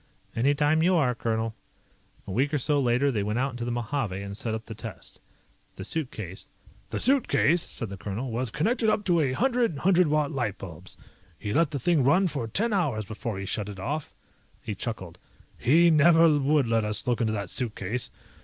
"Any time you are, colonel." A week or so later, they went out into the Mojave and set up the test. The suitcase "... The suitcase," said the colonel, "was connected up to a hundred hundred watt light bulbs. He let the thing run for ten hours before he shut it off." He chuckled. "He never would let us look into that suitcase.